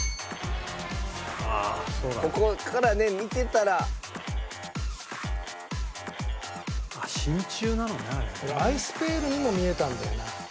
「ここからね見てたら」「真鍮なのねあれ」「俺アイスペールにも見えたんだよな」